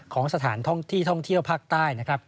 ของสถานที่ท่องเที่ยวภาคใต้นะครับ